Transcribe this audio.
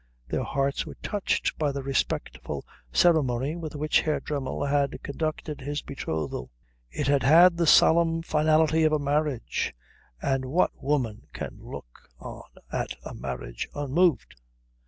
Their hearts were touched by the respectful ceremony with which Herr Dremmel had conducted his betrothal. It had had the solemn finality of a marriage, and what woman can look on at a marriage unmoved?